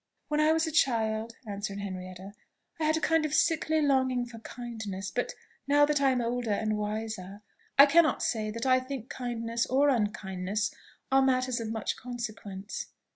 "When I was a child," answered Henrietta, "I had a kind of sickly longing for kindness; but now, that I am older and wiser, I cannot say that I think kindness or unkindness are matters of much consequence."